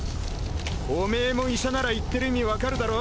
オメエも医者なら言ってる意味わかるだろ？